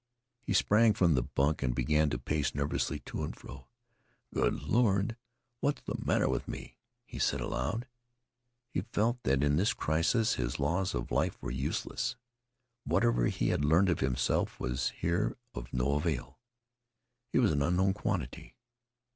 He sprang from the bunk and began to pace nervously to and fro. "Good Lord, what's th' matter with me?" he said aloud. He felt that in this crisis his laws of life were useless. Whatever he had learned of himself was here of no avail. He was an unknown quantity.